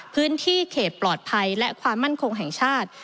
พื้นที่เขตปลอดภัยและความมั่นคงแห่งชาติ